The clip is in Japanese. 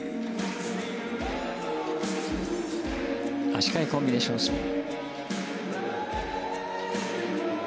足換えコンビネーションスピン。